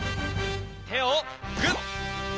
てをグッ！